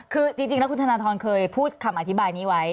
คือจริงแล้วคุณธนทรเคยพูดคำอธิบายนี้ไว้